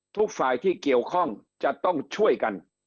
ทุกฝ่ายที่เกี่ยวข้องจะต้องช่วยกัน